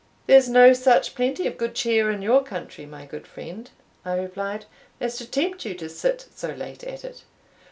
"There's no such plenty of good cheer in your country, my good friend," I replied, "as to tempt you to sit so late at it."